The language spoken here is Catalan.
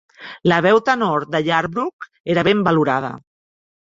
La veu tenor de Yarbrough era ben valorada.